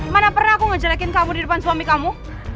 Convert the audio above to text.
mana pernah aku ngejelekin kamu di depan suami kamu